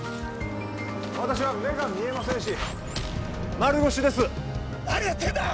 私は目が見えませんし丸腰です何やってるんだ！